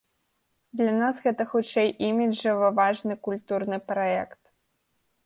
Для нас гэта хутчэй іміджава важны культурны праект.